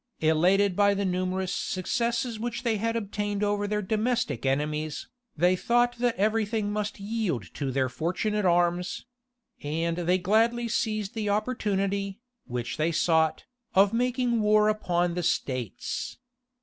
Elated by the numerous successes which they had obtained over their domestic enemies, they thought that every thing must yield to their fortunate arms; and they gladly seized the opportunity, which they sought, of making war upon the states.